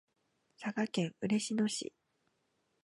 佐賀県嬉野市